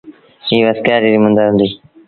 ايٚ وسڪآري ريٚ مند هُݩديٚ۔